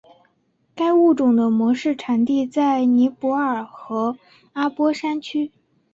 该物种的模式产地在尼泊尔和阿波山区。